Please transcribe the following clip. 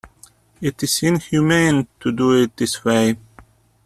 It is inhumane to do it this way.